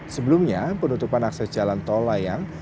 sebelumnya penutupan akses jalan tol layang